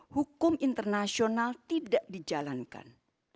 hukum internasional tidak dijalankan